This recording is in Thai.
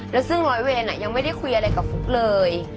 แล้วซึ่งร้อยเวรยังไม่ได้คุยอะไรกับฟุ๊กเลย